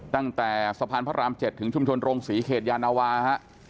ตั้งแต่สะพานพระราม๗ถึงชุมชนโรงศรีเขตยานวาฮะ